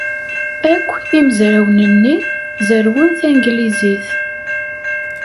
Akk imezrawen-nni zerrwen tanglizit.